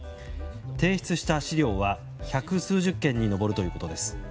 提出した資料は百数十件に上るということです。